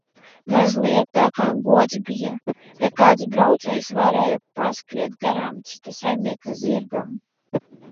Mazliet tā kā gods bija, ja kāds braucējs varēja paskriet garām cita saimnieka zirgam.